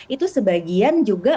itu sebagian juga